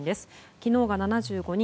昨日が７５人